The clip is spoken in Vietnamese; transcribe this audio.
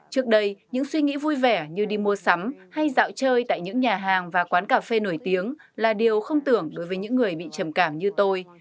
trước đây những suy nghĩ vui vẻ như đi mua sắm hay dạo chơi tại những nhà hàng và quán cà phê nổi tiếng là điều không tưởng đối với những người bị trầm cảm như tôi